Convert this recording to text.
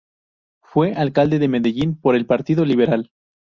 Fue Alcalde de Medellín por el Partido Liberal.